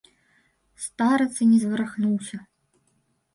Старац і не зварухнуўся.